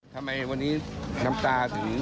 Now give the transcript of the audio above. ทำไมวันนี้น้ำตาถึง